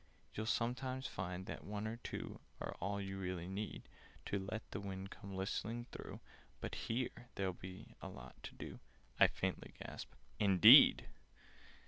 "You'll sometimes find that one or two Are all you really need To let the wind come whistling through— But here there'll be a lot to do!" I faintly gasped "Indeed!